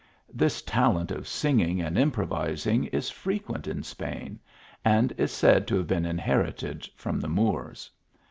This talent of singing and improvising is frequent in Spain, and is said to have been inherited from the Moors.